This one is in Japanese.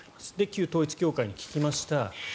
旧統一教会に聞きました。